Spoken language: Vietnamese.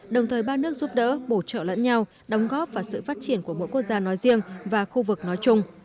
đồng thời ba nước giúp đỡ bổ trợ lẫn nhau đóng góp và sự phát triển của mỗi quốc gia nói riêng và khu vực nói chung